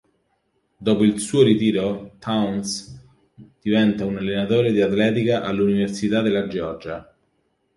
Dopo il suo ritiro Towns diventa un allenatore di atletica all'Università della Georgia.